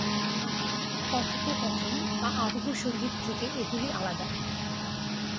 কথোপকথন বা আবহ সঙ্গীত থেকে এগুলি আলাদা।